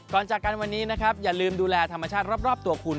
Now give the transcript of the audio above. ก่อนจากกันวันนี้อย่าลืมดูแลธรรมชาติรอบตัวคุณ